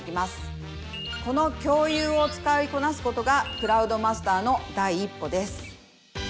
この共有を使いこなすことがクラウドマスターの第一歩です。